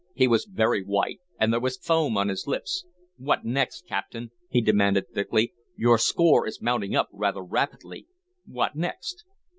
He was very white, and there was foam on his lips. "What next, captain?" he demanded thickly. "Your score is mounting up rather rapidly. What next?"